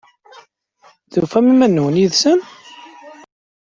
Tufam iman-nwen yid-sen?